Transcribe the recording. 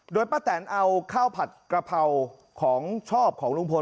โดยป้าแตนเอาข้าวผัดกระเพราของชอบของลุงพล